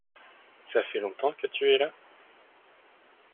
Ça fait longtemps que tu es là ?